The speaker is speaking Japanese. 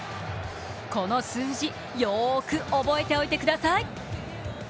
この数字、よーく覚えておいてください。